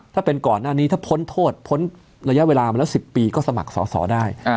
ถ้าเป็นก่อนหน้านี้ถ้าพ้นโทษพ้นระยะเวลามาแล้ว๑๐ปีก็สมัครสอสอได้